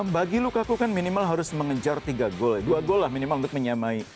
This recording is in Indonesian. bagi lukaku kan minimal harus mengejar tiga gol ya dua gol lah minimal untuk menyamai